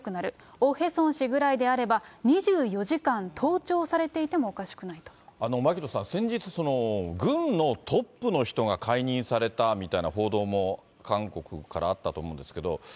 オ・ヘソン氏ぐらいであれば、２４時間盗聴されていてもおかしく牧野さん、先日、軍のトップの人が解任されたみたいな報道も、韓国からあったと思うんですけど。